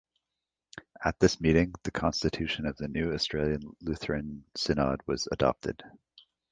At this meeting, the constitution of the new Australian Lutheran synod was adopted.